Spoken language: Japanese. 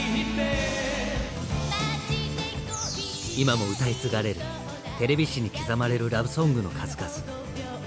今も歌い継がれるテレビ史に刻まれる「ラブソング」の数々。